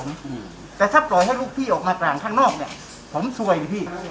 อืมแต่ถ้าปล่อยให้ลูกพี่ออกมากลางข้างนอกเนี้ยผมซวยนะพี่